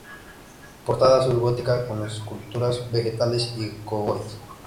Portada Sur gótica, con esculturas, vegetales y cogollos.